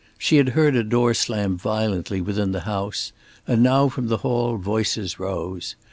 She had heard a door slam violently within the house; and now from the hall voices rose.